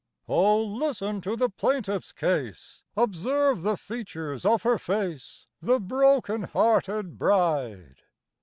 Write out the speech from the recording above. Oh, listen to the plaintiff's case: Observe the features of her face— The broken hearted bride!